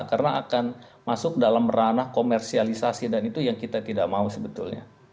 karena akan masuk dalam ranah komersialisasi dan itu yang kita tidak mau sebetulnya